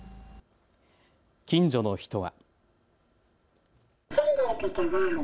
近所の人は。